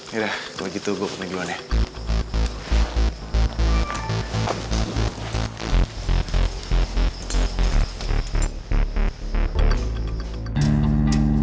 yaudah kalau gitu gue mau keluar ya